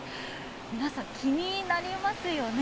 皆さん、気になりますよね。